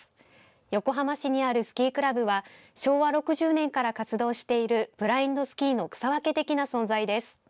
横浜市にあるスキークラブは昭和６０年から活動しているブラインドスキーの草分け的な存在です。